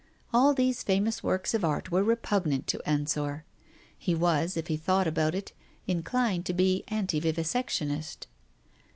All these famous works of art were repugnant to Ensor. He was, if he thought about it, inclined to be anti vivisectionist.